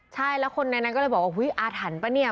ใช่แล้วคนในนั้นก็เลยบอกว่าอุ๊ยอาถรรพ์ป่ะเนี่ย